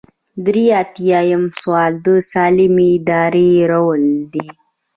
درې ایاتیام سوال د سالمې ادارې رول دی.